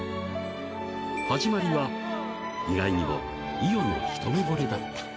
始まりは意外にも伊代の一目ぼれだった。